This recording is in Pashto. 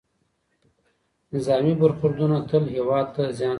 نظامي برخوردونه تل هېواد ته زیان رسوي.